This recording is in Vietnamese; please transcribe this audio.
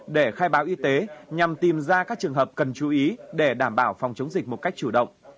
để khai báo y tế nhằm tìm ra các trường hợp cần chú ý để đảm bảo phòng chống dịch một cách chủ động